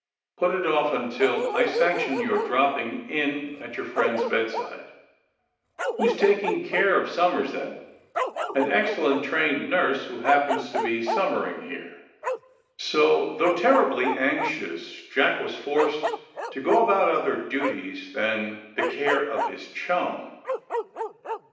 Put it off until I sanction your dropping in at your friend's bedside." *^Who is taking care of Somers, then?" *^An excellent trained nurse, who happens to be summering here. '' So, though terribly anxious, Jack was forced to go about other duties than the care of his chum.